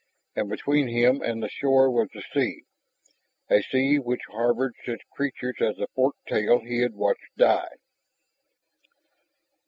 And between him and the shore was the sea, a sea which harbored such creatures as the fork tail he had watched die.